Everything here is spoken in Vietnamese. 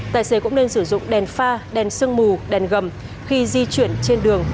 tài xế cũng nên sử dụng đèn pha đèn sương mù đèn gầm khi di chuyển trên đường